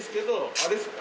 あれっすか？